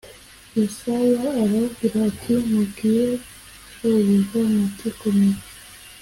Yesaya arababwira ati Mubwire shobuja muti komera